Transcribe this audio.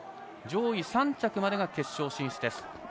上位３着までが決勝進出です。